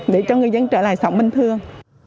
để cho người dân trở lại sống bình thường